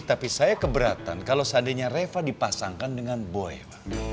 tapi saya keberatan kalau seandainya reva dipasangkan dengan boyo